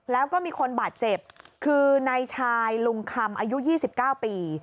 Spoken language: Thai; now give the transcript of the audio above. แล้วก็มีคนบาดเจ็บคือนายชายลุงคำอายุ๒๙ปี